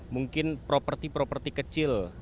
mungkin properti properti kecil